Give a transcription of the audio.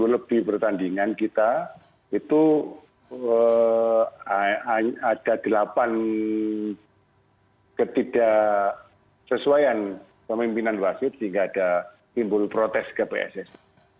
sepuluh lebih pertandingan kita itu ada delapan ketidaksesuaian pemimpinan wasit sehingga ada timbul protes ke pssi